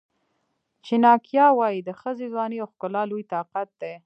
چناکیا وایي د ښځې ځواني او ښکلا لوی طاقت دی.